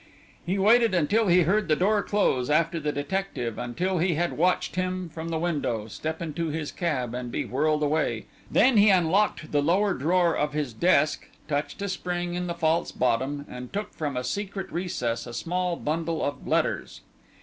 He waited until he heard the door close after the detective; until he had watched him, from the window, step into his cab and be whirled away, then he unlocked the lower drawer of his desk, touched a spring in the false bottom, and took from a secret recess a small bundle of letters.